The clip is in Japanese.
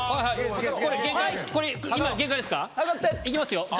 いきますよ